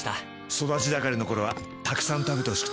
育ち盛りの頃はたくさん食べてほしくて。